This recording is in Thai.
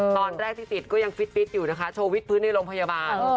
ตอนแรกที่ติดก็ยังฟิตอยู่นะคะโชว์วิทพื้นในโรงพยาบาล